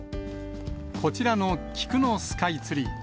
こちらの菊のスカイツリー。